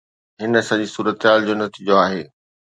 هن سڄي صورتحال جو نتيجو آهي.